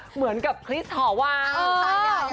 เหมือนกับคริสท์ทหวาน